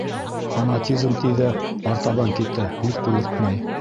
Фанатизм, - ти ҙә, артабан китә, һүҙ ҡуйыртмай.